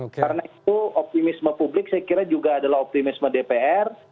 karena itu optimisme publik saya kira juga adalah optimisme dpr